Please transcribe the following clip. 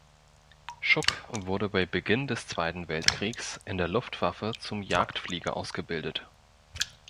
Schuck wurde bei Beginn des Zweiten Weltkriegs in der Luftwaffe zum Jagdflieger ausgebildet.